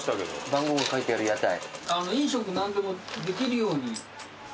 番号が書いてある屋台。